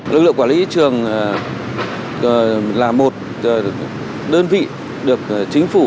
lực lượng quản lý thị trường là một đơn vị được chính phủ